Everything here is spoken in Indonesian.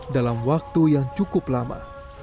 dalam waktu yang cukup lama